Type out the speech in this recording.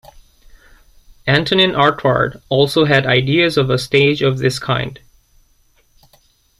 Antonin Artaud also had ideas of a stage of this kind.